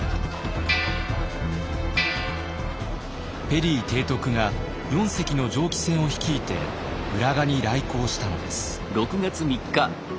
ペリー提督が４隻の蒸気船を率いて浦賀に来航したのです。